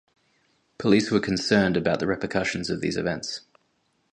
Police were concerned about the repercussions of these events.